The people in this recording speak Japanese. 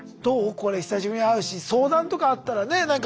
これ久しぶりに会うし相談とかあったらねなんか。